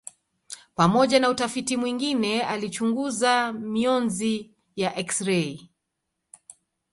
Pamoja na utafiti mwingine alichunguza mionzi ya eksirei.